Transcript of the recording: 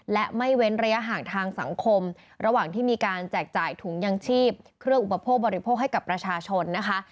และไม่เว้นระยะห่างทางสังคมระหว่างที่มีการแจกจ่ายถุงยังชีพเครื่องอุปโภคบริโภคให้กับประชาชนนะคะ